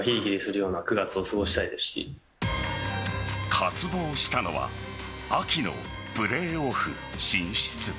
渇望したのは秋のプレーオフ進出。